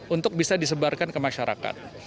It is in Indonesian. untuk bisa disebarkan ke masyarakat